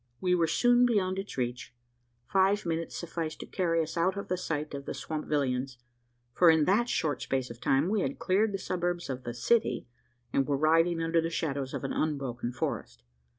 We were soon beyond its reach. Five minutes sufficed to carry us out of sight of the Swampvillians: for, in that short space of time, we had cleared the suburbs of the "city," and were riding under the shadows of an unbroken forest.